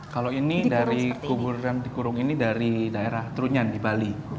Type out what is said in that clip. kalau ini dari kuburan dikurung ini dari daerah trunjan di bali